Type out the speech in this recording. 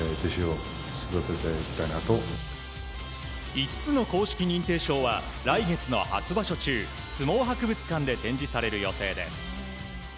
５つの公式認定証は来月の初場所中相撲博物館で展示される予定です。